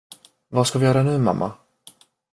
Vad ska vi göra nu, mamma?